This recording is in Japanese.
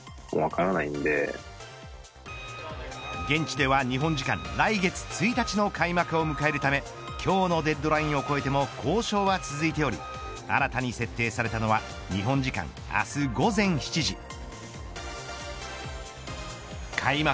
現地では日本時間来月１日の開幕を迎えるため今日のデッドラインを超えても交渉は続いており新たに設定されたのは日本時間、明日午前７時。